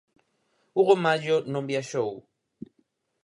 Hugo Mallo non viaxou.